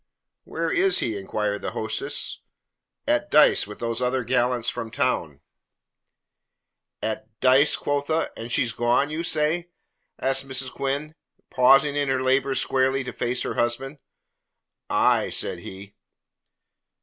"Where is he?" inquired the hostess. "At dice with those other gallants from town." "At dice quotha? And she's gone, you say?" asked Mrs. Quinn, pausing in her labours squarely to face her husband. "Aye," said he.